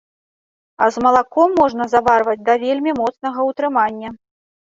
А з малаком можна заварваць да вельмі моцнага ўтрымання.